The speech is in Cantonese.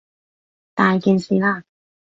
大件事喇！